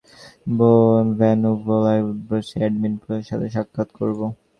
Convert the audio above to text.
Venugopal sir, প্রথমে admin প্রধানের সাথে সাক্ষাৎ করবো।